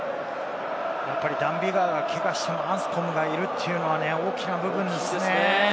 やっぱりダン・ビガーがけがしてもアンスコムがいるっていうのは大きな部分ですよね。